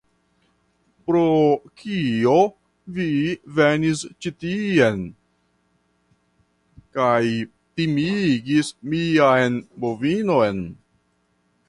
Pro kio vi venis ĉi tien kaj timigis mian bovinon?